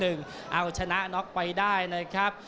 เอาชนะน็อกไปได้นะครับ